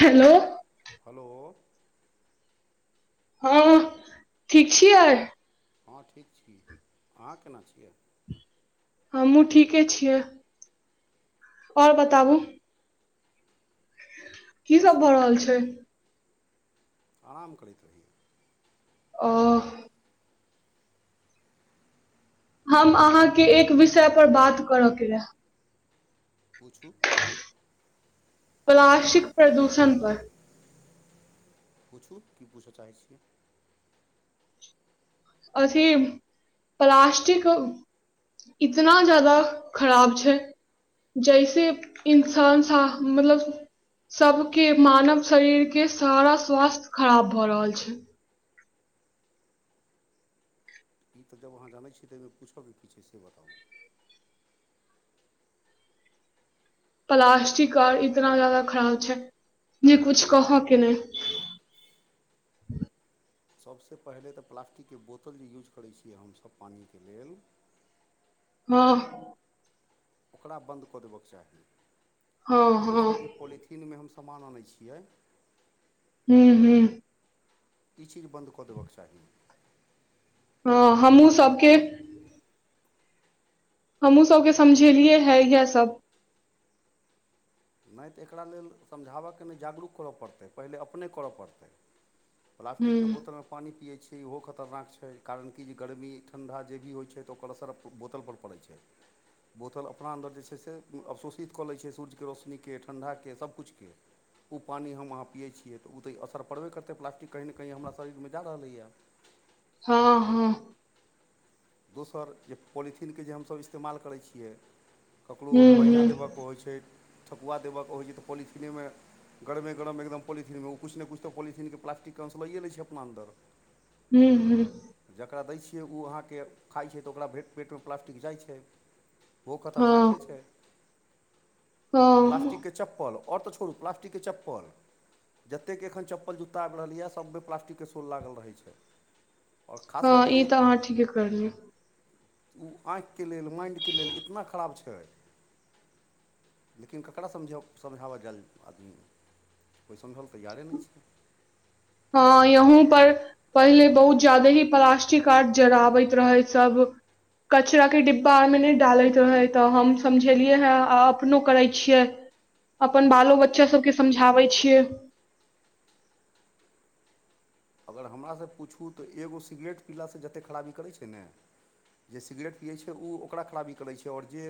Hello hello हँ ठीक छियाय हँ ठीक छी अहाँ केना छियाय हमु ठीके छियै आओर बताबू की सब पूछू भऽ रहल छै आराम करैत रहियै ओ हम अहाँके एक विषय पर बात कर के रहेए पूछू प्लास्टिक प्रदूषण पर पूछू की पूछऽ चाहै छियै अथी प्लास्टिक इतना जदा खराब छै जैसे इन्सान साफ मतलब सब के मानव शरीर के सारा स्वास्थ्य खराब भ रहल छै ई तऽ जब अहाँ जानै छीयै तऽ ओहिमे पूछ के की छै से बताउ प्लास्टिक आर इतना जदा खराब छै जे कुछ कहऽ के नै सबसे पहिले तऽ प्लास्टिकके बोतल जे यूज करै छियै हमसब पानिके लेल। हँ। ओकरा बन्द कऽ देबऽके हँ चाही हँ दोसर जे खोलै छी तीनमे हम समान अनै छियै। हूँ हूँ ई चीज बन्द कऽ देबके चाही। हँ तऽ ई हमूँ बात अहाँ सबके। बुझि हमूँ सबके समझेलियै हेए इएहसब नै तऽ एकरा लेल समझाब के नै जागरूक कर पड़तै पहिले अपने कर पड़तै। प्लास्टिक हूँ के बोतलमे पानि पियै छी। कि ओहो खतरनाक छै कारण कि जे गरमी ठण्डा जे भी होइ छै तऽ ओकर असर बोतल पर पड़ै छै। बोतल अपना अन्दर जे छै से अवशोषित कऽ लै छै सूर्यके रोश ने ठण्डाके सब कुछुके। उ पानि हम अहाँ पियै छियै तऽ उ तऽ असर पड़बे करतै प्लास्टिक कही न कही हमरा शरीरमे जा रहलैए। हँ हँ। दोसर जे पोलिथिनके जे हमसब इस्तेमाल करै छियै। ककरो हूँ बैना हूँ देबऽके होइ छै ठकुआ देबऽके होइ छै तऽ पोलिथिनेमे। गरमे गरम एकदम पॉलिथिनमे ओ कुछ न कुछ पॉलिथिनके प्लास्टिक अंश लइए लै छै अपना अन्दर। हूँ हूँ। जकरा दै छियै उ अहाँके खाइ छै तऽ ओकरा भे पेटमे प्लास्टिक जाइ छै। ओ खतरनाके हँ छै। हँ प्लास्टिकके चप्पल आओर तऽ छोड़ू प्लास्टिकके चप्पल। जतेके एखन चप्पल जूत्ता आबि रहलैयऽ सबमे प्लास्टिकके शोल लागल रहै छै। आओर खास हँ करके ई जे तऽ अहाँ ठीके करलिय। ओ आँखिके लेल माइंडके लेल इतना खराब छै। लेकिन ककरा समझाव समझाबय जा आदमी। कोइ समझल तैयारे नइ छै हँ यहूं पर पहिले बहुत ज्यादे ही प्लास्टिक आर जराबैत रहै सब कचराके डिब्बा आरमे नय डालैत रहै तऽ हम समझेलियै हे आ अपनो करैत छियै अपन बालो बच्चा सबके समझाबै छियै अगर हमरासँ पूछू तऽ एगो सिगरेट पीलासँ जतेक खराबी करै छै ने जे सिगरेट पियै छै ऊ ओकरा खराबी करै छै ओर जे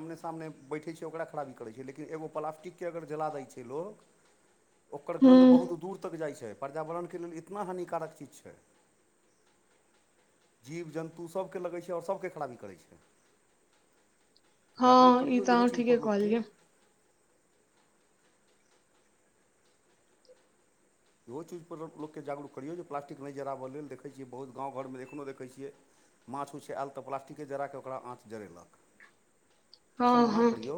आमने सामने बैठै छै ओकरा खराबी करै छै लेकिन एगो प्लास्टिकके अगर जला दै छै लोक [inaudible] ओकर गन्ध बहुत हूँ दूर तक जाइ छै पर्यावरणके लेल इतना हानिकारक चीज छै जीव जन्तु सभके लगै छै ओर सभके खराबी करै छै जागरूक हँ ई करियौ तऽ इहो अहाँ ठीके चीजपर लोक के कहलियै इहो चीजपर लोकके जागरूक करियौ जे प्लास्टिक नइ जराबय लेल देखै छियै बहुत गाँव घरमे एखनो देखै छियै माछ उछ आयल तऽ प्लास्टिके जरा कऽ ओकरा आँच जड़ेलक [inaudible] ओसभ मना हँ करियौ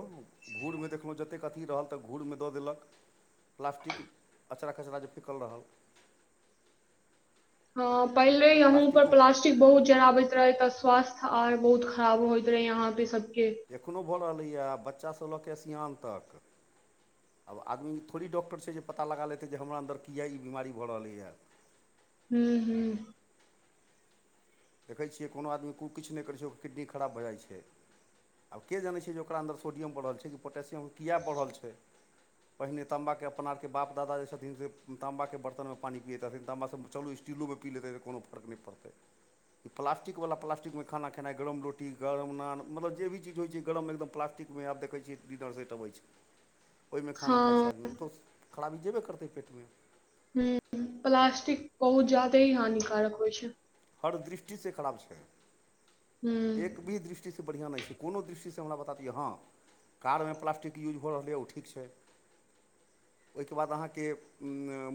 घूरमे देखलहुँ जतेक अथी रहल तऽ घूरमे दऽ देलक प्लास्टिक अचरा कचरा जे सिखल रहल हँ पहिले यहूं पर प्लास्टिक बहुत जराबैत रहे तऽ स्वास्थ्य आर बहुत खराब होयइत रहे यहां पे सब के एखनो भऽ रहलैए बच्चासभ लऽ कऽ सिआन तक आब आदमी थोड़े डॉक्टर छै जे पता लगा लेते जे हमरा अन्दर किए ई बीमारी भऽ रहलैए हूँ हूँ देखै छियै कोनो आदमीे कु किछु नइ करै छै ओकर किडनी खराब भऽ जाइ छै आब के जनै छिय जे ओकरा अन्दर सोडियम बढ़ल छै कि पोटासियम किए बढ़ल छै पहिने ताम्बा के अपना आरके बाप दादा जे छथिन से ताम्बाके बर्तनमे पानि पियैत रहथिन ताम्बा से चलू स्टील चिल्लोमे पी लतै तऽ कोनो फर्क नइ पड़तै प्लास्टिकवला प्लास्तिक मे खाना खेनाइ गरम रोटी गरम नान मतलब जे भी चीज होइत छै गरम एकदम प्लास्टिक उ मे आब देखय छिय डीनर सेट अबै छै [inaudible] ओए मे खाना खाइ छै हँ आदमी ओ तऽ खराबी जेबे करतै पेटमे हूँ प्लास्टिक बहुत ज्यादे ही हानिकारक होइ छै हर दृष्टिसे खराब छै हूं एक भी दृष्टिसँ बढ़िआँ नइ छै कोनो दृष्टिसँ हमरा बता दिअ हँ कार मे प्लास्टिक यूज भऽ रहल यऽ ओ ठीक छै [inaudible] ओइके बाद अहाँके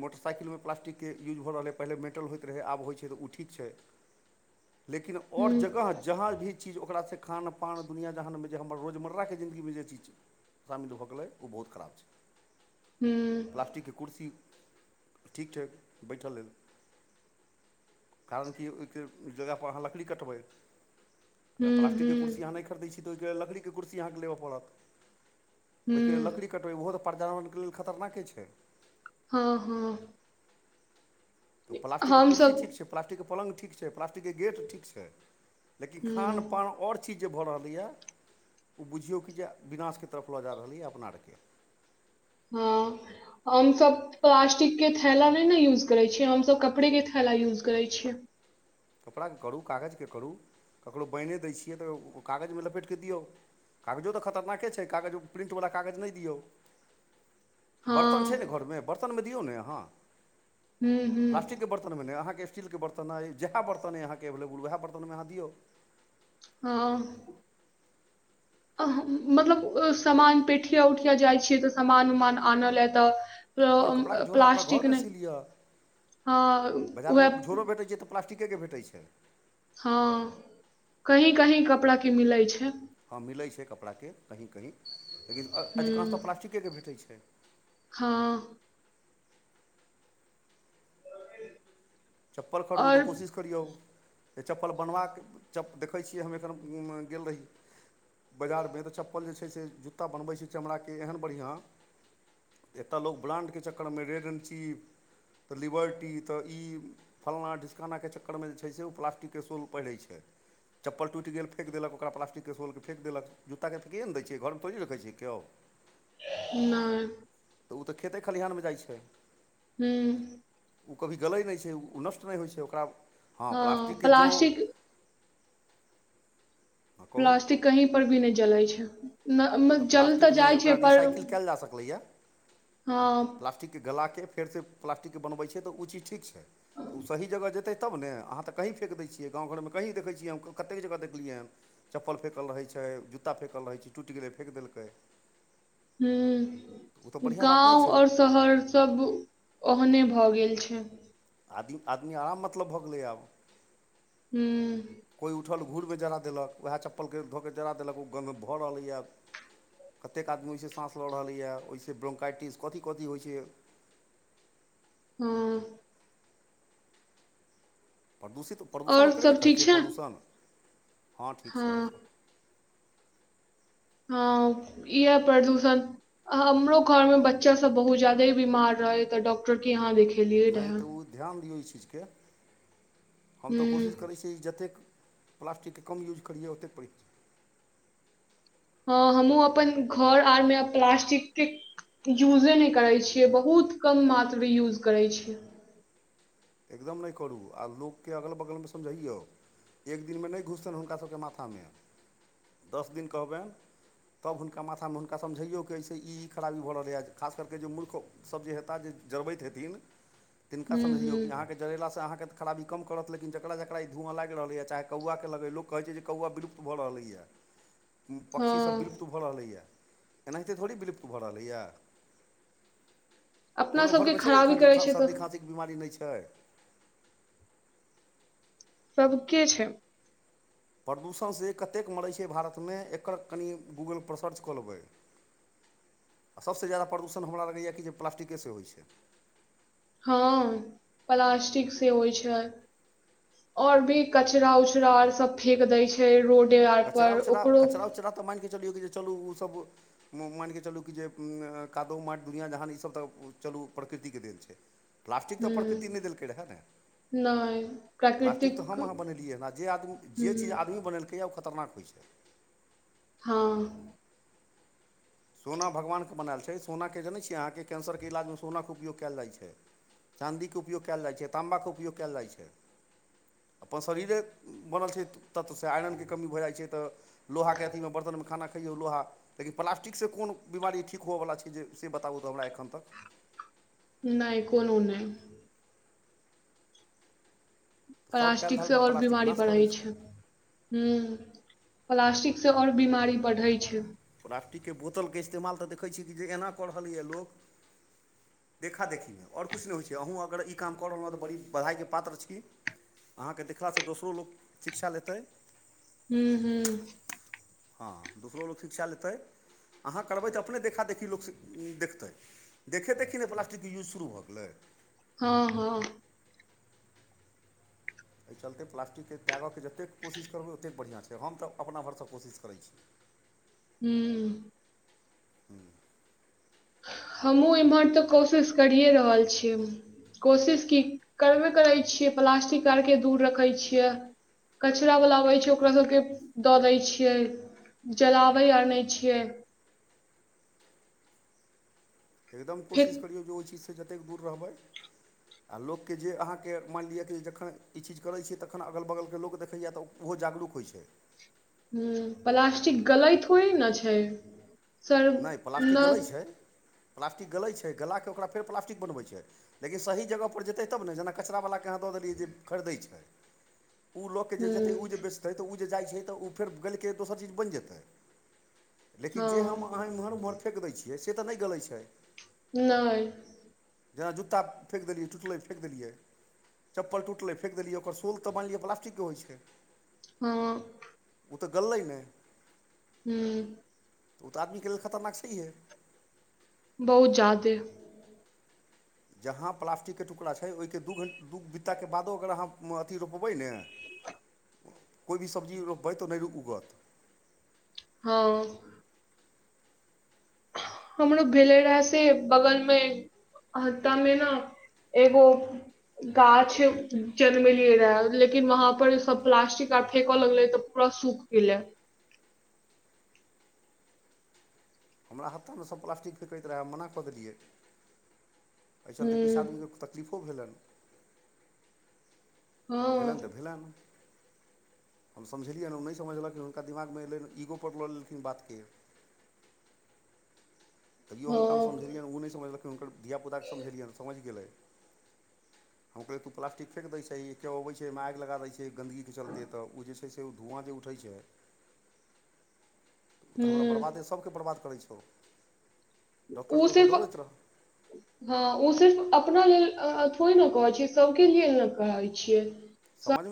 मोटरसाइकिल मे प्लास्टिक के यूज भऽ रहलै पहिल मेटल होइत रहै आब होइत छै तऽ उ ठी क छै [inaudible] लेकिन और हूं जगह जहाँ भी चीज ओकरासँ खान पान दुनिआँ जहानमे जे हमर रोजमर्राके जिन्दगीमे जे चीज छै शामिल भऽ गेलै ओ बहुत खराब छै हूँ प्लास्टिक के कुर्सी ठीक छै बैठ लेल कारण कि ओइके जगह पर अहाँ लकड़ी कटबै अगर हूं प्लास्टिकके हूं कुरसी अहाँ नहि खरीदै छी तऽ ओहिके लेलकड़ीके कुरसी अहाँके लेब पड़त। ओहिके लेल हूं लकड़ी कटबै ओहो तऽ पर्यावरणके लेल खतरनाके छै। हँ हँ। त प्ल्टके कुरसी हमसब ठीक छै प्लास्टिकके पलङ् ठीक छै प्लास्टिकके गेट ठीक छै लेकिन खान हूं पान और। चीज जे भऽ रहलैएा ओ बुझियौ कि जे विनाशके तरफ लऽ जा रहल यऽ अपना आरके। हँ हम सभ। प्लास्टिक के थैला नहि ने यूज करे छियै हमसभ कपड़े के थैला यूज करे छियै। कपड़ाकेँ करू कागजके करू ककरो ‌पाईनेदय छियै तऽ ओ कागजमे लपेटि कऽ दियौ। कागजो तऽ खतरनाके छै कागज प्रिन्टवला कागज नहि दियौ। [inaudible] [inaudible] हँ चिलके बर्त अइ हूं जह हूं बतन अहाँके एवेलेबल वएह बर्तनमे अहाँियौ। हँ। मतलब सामान पेठिया उठिया जाइ छियै तऽ सामान उमान आनय लए तऽ। अपन कपड़ाके प्ल- झोरा अपना प्लास्टिक घरमे नहि सी लिअ हँ बाजारमे उएह झोरो भेटै छै तऽब। प्लास्टिकेके भेटै छै। हँ कही कही कपड़ा केी मिलै छै। हँ मिलैत छै कपड़ाके कहीँ कहीँ लेकिन अधिकांशतः हूँ प्लास्टिकेके भेटैत छै। हँ। [inaudible] चप्पल खर दू त आओर कोशिश। की करियौ त चप्पल बनबाक च देखै छियै हम एखन गेल रही। बाजारमे तऽ चप्पल जे छै से जूत्ता बनबै छी चमड़ाके एहन बढ़िआँ एतऽ लोक ब््राण्डके चक्करमे रेड एं ची तऽ लिबर्टी तऽ ई फल्लाँ ढिस्कानाके चक्करमे जे छै से ओ प्लास्टिकके शोल पहिरैत छैथ चप्पल टुईटगेल फेक देलकरा्लास्िकके सोलके फेक दलक जु ताके फेकिए न दै छै घर मे थोड़े नरखैरै छै केओ। नहि। तऽ ओ तऽ खेते खलिहानमे जाइ छै। हू। ओ कभी गलै नहि छै ओ नष्ट नहि होइ छै ओकरा। हँ प्लास्टिकके जँ। कहू प्लास्टिक कहीं पर भी नहि जलै छै। जल तऽ प्लास्टिक नहि जाइ छै ओकरा पर रिसाइकिल कयल जा हँ। के गलाके फेरसँ प्लास्टिकके बनबै छियै तऽ ओ चीज ठीक छै। तऽ ओ सही जगह जेतै तब ने अहाँ तऽ कहीँ फेक दै छियै गामव घरमे कहीँ देखै छियै हम कतेक जगह देखलियै हन। चप्पल फँेकल रहै छै जुत्ता फँेकल रहै छै टूटि गेलै फँक देलकै। हू। ओ तऽ बढ़िआँ बात नहि गाँव छै आओर नहर सब ओहने भऽ गेल छै। आदमी आदमी आराम मतलब भऽ गेलै आब। हू। कोइ उठल घूरमे जरा देलक वएह चप्पलके धऽऽ जरा देलक ओ गंधभऽ रहलैया। कतेक आदमी ओहिसँ साँस लऽ रहलैएा ओहिसँ ब्रंकाइटिस कथी कथी होइ छै। हँ। प्रदूषित प्रदूषण और ओकरे ने सब कहै ठीक छै पॉलूषण हँ ठीक छै आओर सब। हँ इहे प्रदूषण हमरो घरमे बच्चासभ बहुत ज्यादे बीमार रहै तऽ डॉक्टर की यहाँ देखेलियै नहि रहए तऽ ओ ध्यान दियौ ई चीजके हम तऽ कोशिश करै छी। कि जतेक प्लास्टिकके कम यूज करियै ओतेक प्र हँ हमहुँ अपन घर आर मे प्लास्टिक के यूजे नै करै छियै बहुत कम मात्रमे यूज करैछियै। एकदम नै करू आ लोकके‌ अगल बगलमे समझैयौ। एक दिनमे नै घुसतनि हुनकासभके माथामे दस दिन कहबेन तब हुनका माथा हुनका समझैयौ कि एहिस ई खराबी भऽ रहलैए खास कर कऽ जे मूर्ख सब जे हेता जे जरबैत हेथिन तिनका हूँ समझैयो हूँ जरेलाँ अहाँके खराबी कम करत लेकिन जकरा जकरा ई धुआँ ला्इग रहलै य चाहे कौआ के लगै लोक कहै छै जे कौआा विलुप्त भऽ रहलैए [inaudible] पक्षीसभ हँ विलुप्त भऽ रहलैए एनाहिते थोड़े विलुप्त भऽ रहलैए। अपना कोनो सबके घरमे छै खराबी एखन जे करै छै सर्दी तऽ खाँसीके बिमारी नै छै। सबके छै। प्रदूषणसँ कतेक मरै छै भारतमे एकर कनि गूगलपर सर्च कऽ लेबै। आ सभसँ जा्यदा प्रदूषण हमरा लगैए कि जे प्लास्टिकेसँ होइ छै। हँ प्लास्टिक से होय छै। ओर भी कचराा उचरा आर सब फेेक दै छै रोडे आर पर ओकरो कचड़ा तऽ मैन कऽ चलियौ कि जे चलू ओसभ मैन कऽ चलू कि जे कादो माट दुनिआँ जहान ईसभ तऽ चलू प्रकृतिके देन छै। प्लास्टिक तऽ प्रकृति नहि हूँ देलकै रहए ने। नहि प्लास्टिक त प्राकृतिक हम अहा बनेलियै हन आ जे आदमी जे चीज हुं आदमी बनेलकै क ओ खतरनाक होइ छै। हँ। सोना भगवानके बनायल छै सोनाके जनै छियै अहाँके कैंसरके इलाजमे सोनाके उपयोग केएल जाइ छै। चाँदीके उपयोग केएल जाइ छै ताम्बाके उपयोग केएल जाइ छै। अपन शरीरे बनल छै तत्वसँ आयरनके कमी भऽ जाइ छै तऽ लोहा के अथी मे बर्तनमे खाना खइयौ लोहा लेकि प्लास्टिक ठीकसँ कोन बीमारी ठीक होअवला छै जे से बताबू तऽ हमरा एखन तक। नै कोनु नै सभ कयल प्लास्टिकसँ धलपर आओर प्लास्टिक बीमारी नाश कऽ बढ़ै दै छै। हुॅं प्लास्टिक से अओर बीमारी बढ़ै छै। प्लास्टिकके बोतलके इस्तेमाल तऽ देखै छियै कि जे एना कऽ रहलैए लोक देखा देखीमे आओर किछु नै होइ छै अहूँ अगर ई काम कऽ रहलहुँ हँ तऽ बड़ी बधाइके पात्र छी कि अहाँके देखलासँ दोसरो लोक शिक्षा लेतै। हुॅं हुॅं हँ दोसरो लोक शिक्षा लेतै। अहाँ करबै तऽ अपने देखा देखी लोक‌ सीक देखतै। देखे देखी ने प्लास्टिकके यूज शुरू भऽ गेलै। हँ हँ। एहि चलते प्लास्टिकके त्यागयके जतेक कोशिश करबै ओतेक बढ़िआँ छै हम तऽ अपना भरसँ कोशिश करै छी। हुॅं हमहहुँ इम्हर तऽ कोशिश करिए रहल छीय। कोशिश की करबे करै छियै प्लास्टिक आरके दूर रखै छियै कचरा वला अबै छै ओकरा सभके दऽ दै छियै जलाबै आओर नय छियै एकदम फेक कोशिश करियौ जे ओई चीजसँ जतेक दूर रहबै आ लोकके जे अहाँके मानि लिअ कि जखन ई चीज करै छी तखन अगल बगल के लोक देखैया तऽ ओ जागरूक होइ छै हूं प्लस्टिक गलै थोरे न छै सर नय प्लास्टिक गलै नहि छै प्लास्टिक गलै छै गलाके ओकरा फेर प्लास्टिक बनबै छैे लेकिन सही जगह पर जेतै तब ने जेना कचरा बला यहाँ दऽ देलियै जे खरीदै छै ऊ लऽ के जे जेतै ओ हुँ जे बेस त ऊ जे जाइ छै तऽ ऊ फेर गलि के दोसर चीज बनि जेतै लेकिन जे हम अहाँ हँ एम्हर ओम्हर फेक दै छियै से तऽ नय गलै छै नय जेना जुत्ता फेक देलियै टुटलै फेक देलियै चप्पल टुटलै फेक देलियै ओकर शोल तऽ मानलिय प्लास्टिक के होइ छै हँ ऊ तऽ गललै नय हूं उ तऽ तऽ आदमी के लेल खतरनाक छैहे बहुत जादे जहाँ प्लास्टिक के टुकड़ा छै ओयके दू घ दू बित्ताके बादो अगर अहाँ अथी रोपबै ने कोइ भी सब्जी रोपबै तऽ नय उगत हँ हमरो भेले रह से बगल मे हप्ता मे न एगो गाछ जन्मेलियै रहे लेकिन वहाँ पर सब प्लास्टिक आर फेेकऽ लगलै तऽ प्र सुख गेलै हमरा हथा मे सभ प्लास्टिक फेकति रहै हम मना कऽ देलियै एहि चलते किछ हुँ आदमीके तकलीफो भेलनि हँ भेलनि तऽ भेलनि हम समझेलियनि ओ नय समझलकिन हुनका दिमाग मे एलनि ईगोपर लऽ लेलखिन बात के [inaudible] तैयो हुनका हम समझेलियनि हँ उ नय समझलखिन हम उन कर धिय पुता के समझेलियनि समझ गईले हम कहलियै तु प्लिस्ट फेक दयि छीही केयो अबै छै ओईमे आगि लगा दै छै गन्दगीके चलते तऽ ओ जे छै से ओ धुआँ जे उठै छै [inaudible] तऽ हमरा बरबादे हुँ सभकेँ बरबाद करै छौ उ डॉक्टरके ओतऽ सिर्फ दौड़ैत रह हँ उ सिर्फ अपना लेल आ थोेड़े न कहै छियै सबके लिए न कहै छियै [unintelligible]